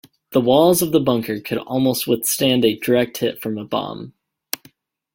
The walls of the bunker could almost withstand a direct hit from a bomb.